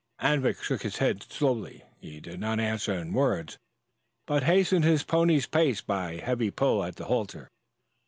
Anvik shook his head slowly. He did not answer in words, but hastened his pony's pace by his heavy pull at the halter.